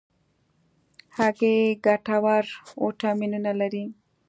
هګۍ ګټور ویټامینونه لري.